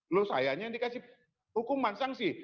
loh sayangnya yang dikasih hukuman sanksi